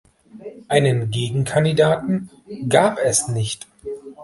Einen Gegenkandidaten gab es nicht.